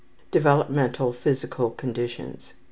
Developmental Physical Conditions.